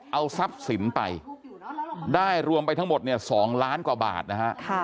เอาทรัพย์สินไปได้รวมไปทั้งหมดเนี่ย๒ล้านกว่าบาทนะฮะ